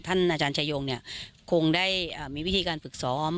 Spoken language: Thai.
ท่านอาจารย์ชายงเนี่ยคงได้มีวิธีการฝึกซ้อม